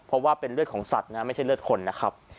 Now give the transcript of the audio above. เพราะว่าเป็นเลือดของสัตว์นะไม่ใช่เลือดคนนะครับ